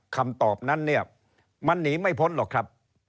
คำตอบนั้นเนี่ยมันหนีไม่พ้นหรอกครับ